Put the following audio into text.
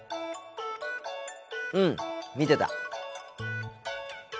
うん見てた。